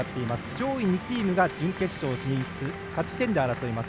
上位２チームが準決勝進出勝ち点で争います。